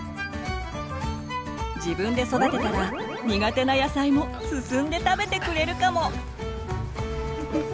自分で育てたら苦手な野菜も進んで食べてくれるかも！